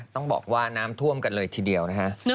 ต้องบอกว่าน้ำท่วมกันเลยทีเดียวนะฮะ